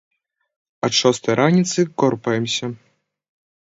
Ад шостай раніцы корпаемся.